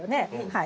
はい。